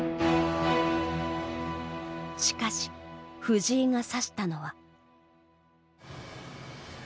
しかし、藤井が指したのは。